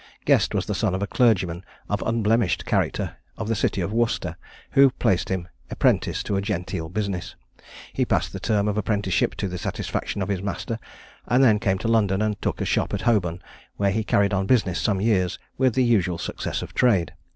Guest was the son of a clergyman of unblemished character, of the city of Worcester, who placed him apprentice to a genteel business. He passed the term of apprenticeship to the satisfaction of his master, and then came to London, and took a shop in Holborn, where he carried on business some years with the usual success of trade.